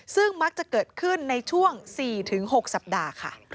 ซึ่งมักจะเกิดขึ้นในช่วง๔๖สัปดาห์ค่ะ